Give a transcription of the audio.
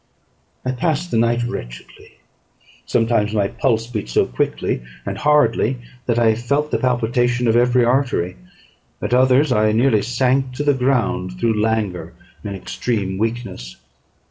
I passed the night wretchedly. Sometimes my pulse beat so quickly and hardly, that I felt the palpitation of every artery; at others, I nearly sank to the ground through languor and extreme weakness.